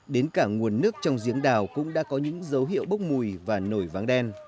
đến cả nguồn nước trong giếng đào cũng đã có những dấu hiệu bốc mùi và nổi váng đen